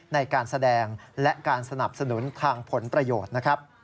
ในการแสดงและการสนับสนุนทางผลประโยชน์นะครับ